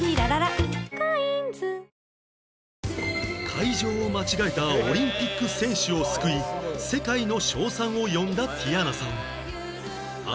会場を間違えたオリンピック選手を救い世界の称賛を呼んだティヤナさん